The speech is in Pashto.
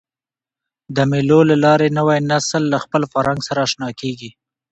د مېلو له لاري نوی نسل له خپل فرهنګ سره اشنا کېږي.